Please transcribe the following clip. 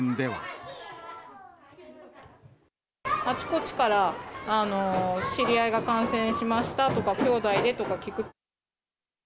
あちこちから、知り合いが感染しましたとか、きょうだいでとか聞く。